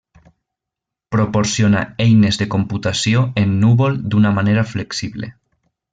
Proporciona eines de computació en núvol d'una manera flexible.